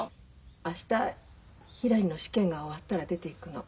明日ひらりの試験が終わったら出ていくの。